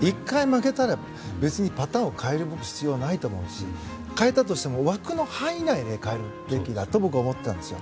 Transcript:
１回負けたら別にパターンを変える必要はないと思うし変えたとしても枠の範囲内で変えるべきだと僕は思ってたんですよ。